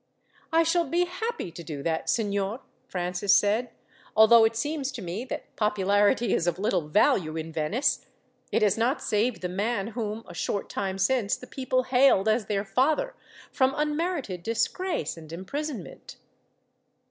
"I shall be happy to do that, signor," Francis said, "although it seems to me that popularity is of little value in Venice. It has not saved the man whom, a short time since, the people hailed as their father, from unmerited disgrace and imprisonment."